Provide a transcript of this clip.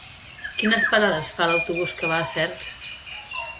Quines parades fa l'autobús que va a Cercs?